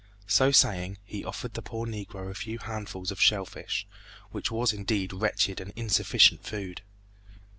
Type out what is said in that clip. So saying, he offered the poor Negro a few handfuls of shell fish, which was indeed wretched and insufficient food.